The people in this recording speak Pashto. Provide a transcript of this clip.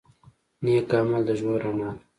نیک عمل د ژوند رڼا ده.